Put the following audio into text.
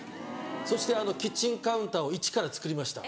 そしてキッチンカウンターをイチから作りました。